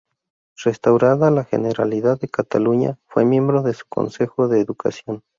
Restaurada la Generalidad de Cataluña, fue miembro de su consejo de educación.